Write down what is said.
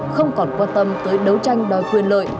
không còn quan tâm tới đấu tranh đòi quyền lợi